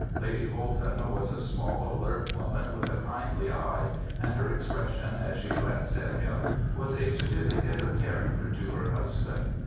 Lady Holden was a small, alert woman, with a kindly eye, and her expression as she glanced at him was a certificate of character to her husband.